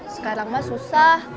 sekarang mah susah